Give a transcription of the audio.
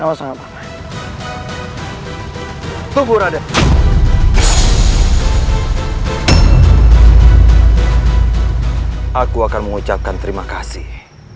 aku akan mengucapkan terima kasih